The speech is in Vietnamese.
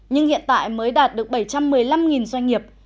nhưng hiện tại mới đạt được bảy trăm một mươi năm doanh nghiệp